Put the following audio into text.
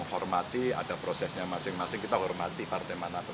menghormati ada prosesnya masing masing kita hormati partai mana mana